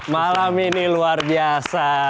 malam ini luar biasa